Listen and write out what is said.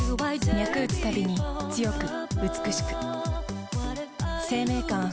脈打つたびに、強く美しく。